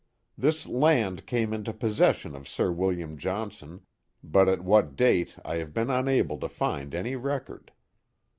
This land came into possession of Sir William Johnson, but at what date I have been unable to find any record.